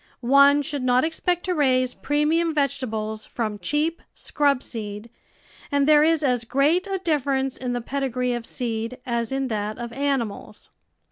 One should not expect to raise premium vegetables from cheap, scrub seed, and there is as great a difference in the pedigree of seed as in that of animals.